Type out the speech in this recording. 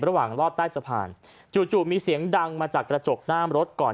รอดใต้สะพานจู่มีเสียงดังมาจากกระจกหน้ารถก่อน